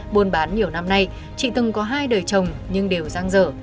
buôn bán nhiều năm nay chị từng có hai đời chồng nhưng đều răng rở